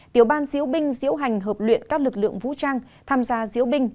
tiểu ban diễu binh diễu hành hợp luyện các lực lượng vũ trang tham gia diễu binh